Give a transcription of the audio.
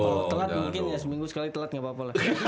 kalo telat mungkin ya seminggu sekali telat gak apa apa lah